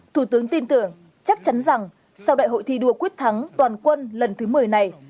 thủ tướng tin tưởng chắc chắn rằng sau đại hội thi đua quyết thắng toàn quân lần thứ một mươi này